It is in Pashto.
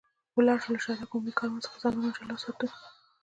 ولاړ شو، له شاتګ عمومي کاروان څخه ځانونه جلا وساتو.